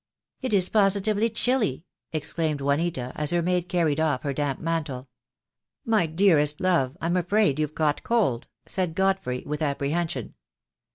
"It is positively chilly," exclaimed Juanita, as her maid carried off her damp mantle. "My dearest love, I'm afraid you've caught cold," said Godfrey, with apprehension.